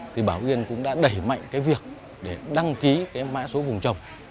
thì bảo yên cũng đã đẩy mạnh cái việc để đăng ký cái mã số vùng trồng